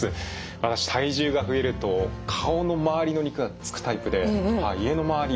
私体重が増えると顔の周りの肉がつくタイプで家の周り